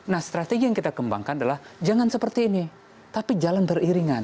nah strategi yang kita kembangkan adalah jangan seperti ini tapi jalan beriringan